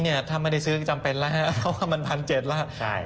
ถ้าไม่ได้ซื้อก็จำเป็นแล้วเพราะว่ามัน๑๗๐๐แล้ว